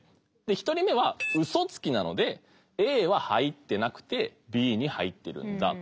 １人目はウソつきなのでＡは入ってなくてＢに入ってるんだと。